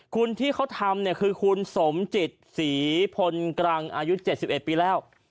คุณที่เขาทำเนี่ยคือคุณสมจิตศรีพลกรังอายุ๗๑ปีแล้ว